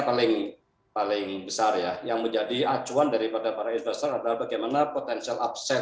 paling paling besar ya yang menjadi acuan daripada para investor adalah bagaimana potensial upset